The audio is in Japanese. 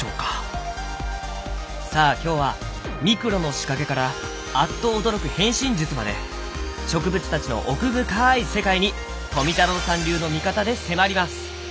さあ今日はミクロの仕掛けからあっと驚く変身術まで植物たちの奥深い世界に富太郎さん流の見方で迫ります！